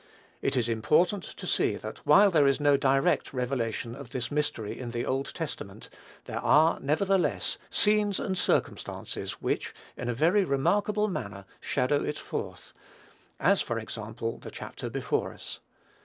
It is important to see that, while there is no direct revelation of this mystery in the Old Testament, there are, nevertheless, scenes and circumstances which, in a very remarkable manner, shadow it forth; as, for example, the chapter before us.